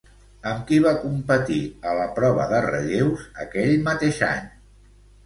Amb qui va competir a la prova de relleus aquell mateix any?